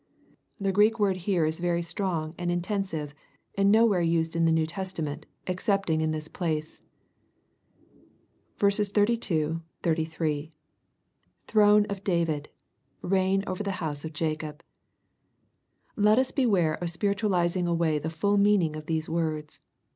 ] The Greek word here is very strong and inten sive, and nowhere used in the New Testament) excepting in this place. 32, 33. — [Throne of David — Reign over (he house of Jacob.] Let us beware of spiritualizing away the fuU meaning of these words.